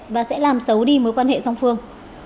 và sẽ làm xấu đi mối quan hệ song phương